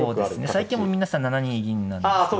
最近は皆さん７二銀なんですけど。